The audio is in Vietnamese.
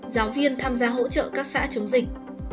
giáo viên tham gia hỗ trợ các xã chống dịch